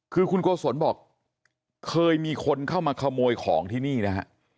คือคุณโกศลบอกเคยมีคนเข้ามาขโมยของที่นี่นะฮะ